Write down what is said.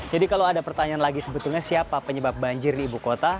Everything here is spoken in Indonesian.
jadi kalau ada pertanyaan lagi sebetulnya siapa penyebab banjir di ibu kota